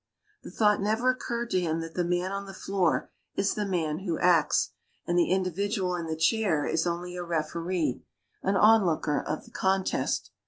The thought never occurred to him that the man on the floor is the man who acts, and the individual in the chair is only a referee, an onlooker of the contest.